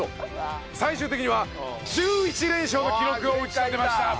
最終的には１１連勝の記録を打ち立てました。